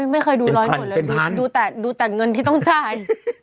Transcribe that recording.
ไม่เคยดูร้อยหมดเลยดูแต่เงินที่ต้องจ่าย